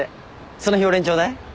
その日俺にちょうだい。